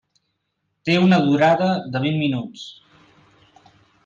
Té una durada de vint minuts.